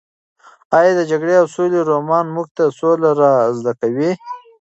ایا د جګړې او سولې رومان موږ ته سوله را زده کوي؟